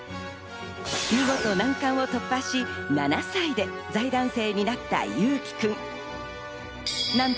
見事難関を突破し、７歳で財団生になった侑輝くん。